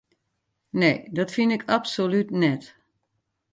Nee, dat fyn ik absolút net.